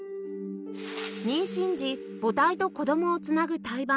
妊娠時母体と子どもをつなぐ胎盤